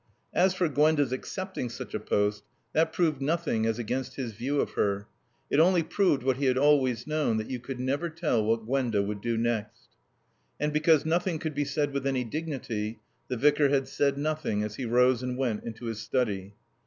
As for Gwenda's accepting such a post, that proved nothing as against his view of her. It only proved, what he had always known, that you could never tell what Gwenda would do next. And because nothing could be said with any dignity, the Vicar had said nothing as he rose and went into his study.